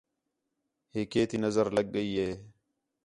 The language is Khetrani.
ہے کیتی نظر لڳ ڳئی ہِے